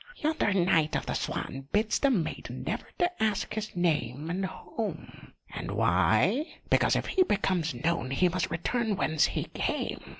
Yonder Knight of the Swan bids the maiden never to ask his name and home. And why? Because if he becomes known he must return whence he came.